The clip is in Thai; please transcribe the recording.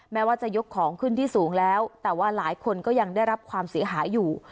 แม้ว่าจะยกของขึ้นที่สูงแล้วแต่ว่าหลายคนก็ยังได้รับความเสียหายอยู่